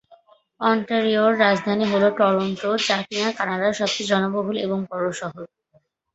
অন্টারিওর রাজধানী হল টরন্টো, যা কিনা কানাডার সবচেয়ে জনবহুল এবং বড়ো শহর।